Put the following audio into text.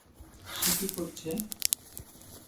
সে কী করছে?